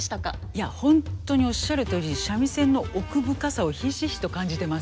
いやホントにおっしゃるとおり三味線の奥深さをひしひしと感じてます。